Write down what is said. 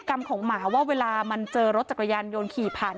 กรรมของหมาว่าเวลามันเจอรถจักรยานยนต์ขี่ผ่าน